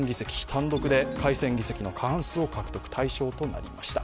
単独で改選議席の過半数を獲得、大勝となりました。